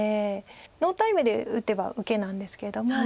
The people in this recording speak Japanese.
ノータイムで打てば受けなんですけれども。